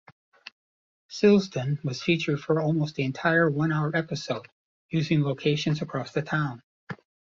Silsden was featured for almost the entire one-hour episode, using locations across the town.